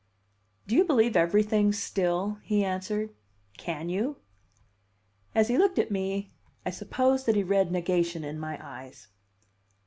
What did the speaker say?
"Do you believe everything still?" he answered. "Can you?" As he looked at me, I suppose that he read negation in my eyes.